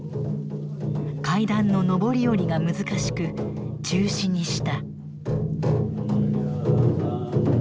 階段の上り下りが難しく中止にした。